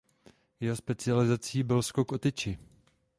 Jeho specializací byl skok o tyči.